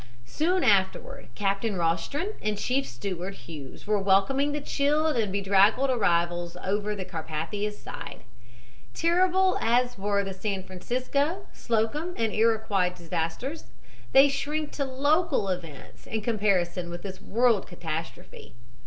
"Soon afterward Captain Rostron and Chief Steward Hughes were welcoming the chilled and bedraggled arrivals over the Carpathia's side. "Terrible as were the San Francisco, Slocum and Iroquois disasters, they shrink to local events in comparison with this world catastrophe.